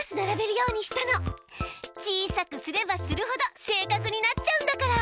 小さくすればするほど正確になっちゃうんだから。